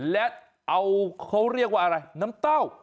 และเอาเขาเรียกว่าอะไรน้ำเต้า